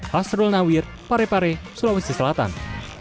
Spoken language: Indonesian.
hasrul nawir pare pare sulawesi selatan